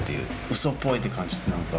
嘘っぽいって感じです何か。